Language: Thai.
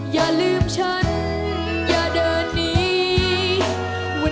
อย่าลืมไหม